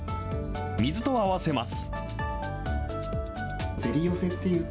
水と合わせます。